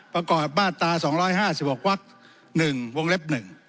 ประกอบมาตรา๒๕๖วัก๑วงเล็บ๑